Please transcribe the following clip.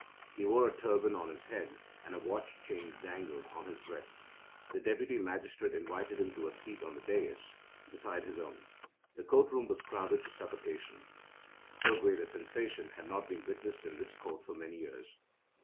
He wore a turban on his head, and a watch chain dangled on his breast. The Deputy Magistrate invited him to a seat on the daïs, beside his own. The Court room was crowded to suffocation. So great a sensation had not been witnessed in this Court for many years.